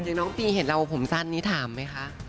อย่างน้องตีเห็นเราผมสั้นนี้ถามไหมคะ